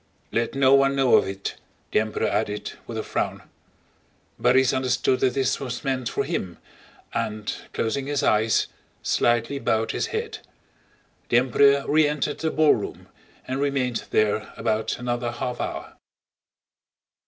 "Let no one know of it!" the Emperor added with a frown. Borís understood that this was meant for him and, closing his eyes, slightly bowed his head. The Emperor re entered the ballroom and remained there about another half hour.